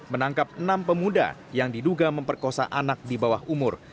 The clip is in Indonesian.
menangkap enam pemuda yang diduga memperkosa anak di bawah umur